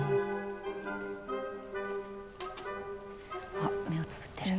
あ目をつぶってる。